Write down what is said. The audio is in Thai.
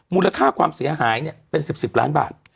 มูลค่าความเสียหายเนี่ยเป็น๑๐สิบล้านบาท